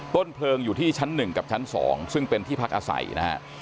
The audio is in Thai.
ต้นเพลิงอยู่ที่ชั้น๑กับชั้น๒ซึ่งเป็นที่พักอาศัยนะฮะ